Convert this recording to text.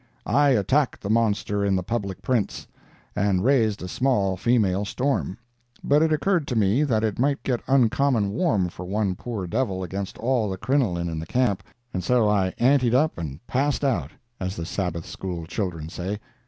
I attacked the monster in the public prints, and raised a small female storm, but it occurred to me that it might get uncommon warm for one poor devil against all the crinoline in the camp, and so I antied up and passed out, as the Sabbath School children say.